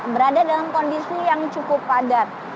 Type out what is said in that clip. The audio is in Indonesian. berada dalam kondisi yang cukup padat